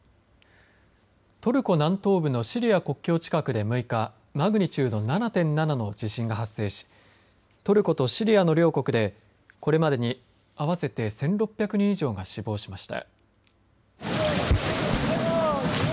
トルコ南東部のシリア国境近くで６日マグニチュード７．７の地震が発生しトルコとシリアの両国でこれまでに合わせて１６００人以上が死亡しました。